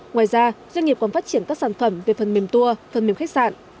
ngoài ra doanh nghiệp còn phát triển các sản phẩm về phần mềm tour phần mềm khách sạn